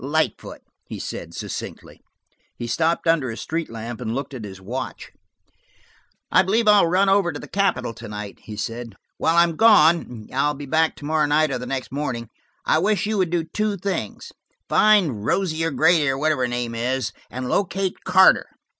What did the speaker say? "Lightfoot," he said succinctly. He stopped under a street lamp and looked at his watch. "I believe I'll run over to the capital to night," he said. "While I'm gone–I'll be back to morrow night or the next morning–I wish you would do two things. Find Rosie O'Grady, or whatever her name is, and locate Carter.